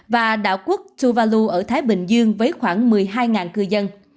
và đảo quốc chuvau ở thái bình dương với khoảng một mươi hai cư dân